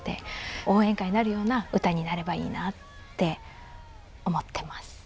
応援歌になるような歌になればいいなって思ってます。